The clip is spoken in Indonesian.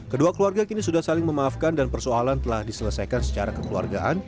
kedua keluarga kini sudah saling memaafkan dan persoalan telah diselesaikan secara kekeluargaan